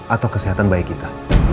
atau kesehatan bayi kita